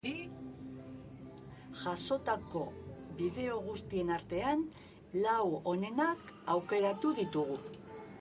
Jasotako bideo guztien artean, lau onenak aukeratu ditugu.